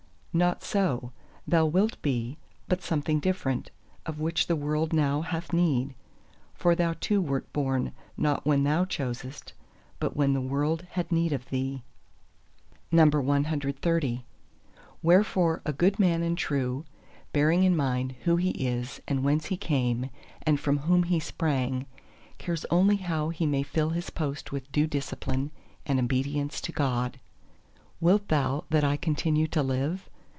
Not so; thou wilt be; but something different, of which the World now hath need. For thou too wert born not when thou chosest, but when the World had need of thee. CXXXI Wherefore a good man and true, bearing in mind who he is and whence he came and from whom he sprang, cares only how he may fill his post with due discipline and obedience to God. Wilt thou that I continue to live?